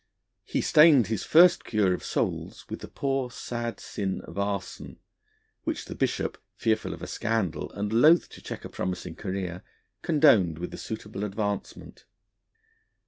He stained his first cure of souls with the poor, sad sin of arson, which the bishop, fearful of scandal and loth to check a promising career, condoned with a suitable advancement.